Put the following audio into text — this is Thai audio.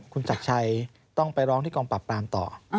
คุณศักดิ์ชัยต้องไปร้องที่กองปราบปรามต่อ